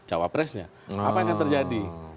pengawasannya apa yang akan terjadi